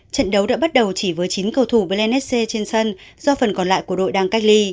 trận đấu đã bắt đầu chỉ với chín cầu thủ blanese trên sân do phần còn lại của đội đang cách ly